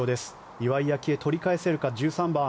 岩井明愛、取り返せるか１３番。